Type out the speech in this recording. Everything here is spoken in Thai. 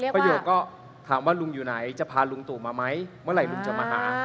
ประโยคก็ถามว่าลุงอยู่ไหนจะพาลุงตู่มาไหมเมื่อไหร่ลุงจะมาหา